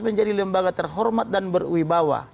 menjadi lembaga terhormat dan berwibawa